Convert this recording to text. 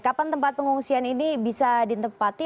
kapan tempat pengungsian ini bisa ditempati